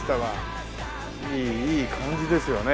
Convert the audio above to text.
いいいい感じですよね。